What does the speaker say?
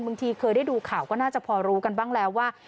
บางทีเคยได้ดูข่าวก็น่าจะพอรู้กันบ้างแล้วว่า